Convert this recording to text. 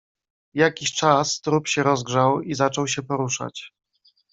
"W jakiś czas trup się rozgrzał i zaczął się poruszać."